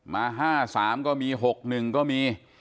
มา๕๓ก็มี๖๑ก็มี